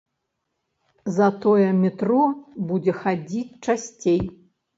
Затое метро будзе хадзіць часцей.